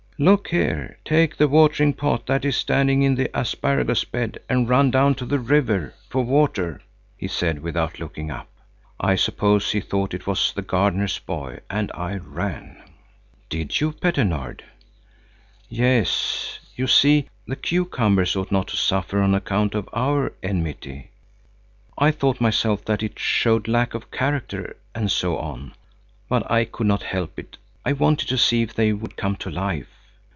'Look here, take the watering pot that is standing in the asparagus bed and run down to the river for water,' he said, without looking up. I suppose he thought it was the gardener's boy. And I ran." "Did you, Petter Nord?" "Yes; you see, the cucumbers ought not to suffer on account of our enmity. I thought myself that it showed lack of character and so on, but I could not help it. I wanted to see if they would come to life.